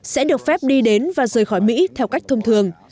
sẽ được phép đi đến và rời khỏi mỹ theo cách thông thường